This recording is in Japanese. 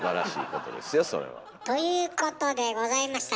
それは。ということでございました。